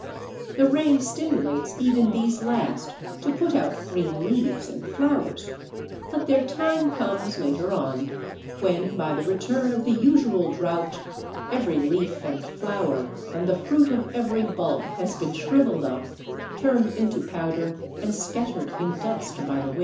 The rain stimulates even these last to put out green leaves and flowers, but their time comes later on, when by the return of the usual drought every leaf and flower and the fruit of every bulb has been shrivelled up, turned into powder, and scattered in dust by the wind.